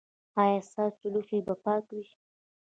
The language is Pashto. ایا ستاسو لوښي به پاک وي؟